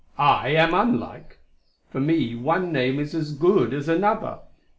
I am unlike: for me one name is as good as another.